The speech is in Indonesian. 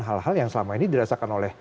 hal hal yang selama ini dirasakan oleh